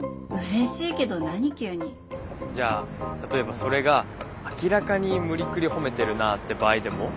じゃあ例えばそれが明らかに無理くり褒めてるなぁって場合でも？